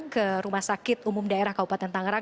ke rumah sakit umum daerah kabupaten tangerang